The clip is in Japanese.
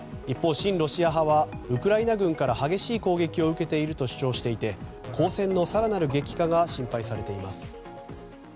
一方、親ロシア派はウクライナ軍から激しい攻撃を受けていると主張していて交戦の更なる激化が心配されています。